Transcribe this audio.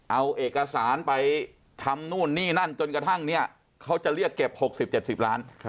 เอาเอกสารไปทำนู่นนี่นั่นจนกระทั่งเนี่ยเขาจะเรียกเก็บ๖๐๗๐ล้าน